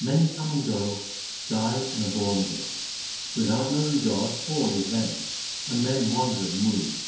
Many come and go, die and are born again. Without knowing God all is vain and men wander in wombs.